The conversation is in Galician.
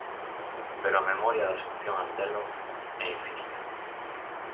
Pero a memoria de Asunción Antelo é infinita.